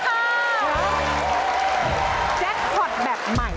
แจ็คคอตแบบใหม่